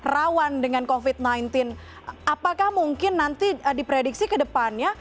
rawan dengan covid sembilan belas apakah mungkin nanti diprediksi ke depannya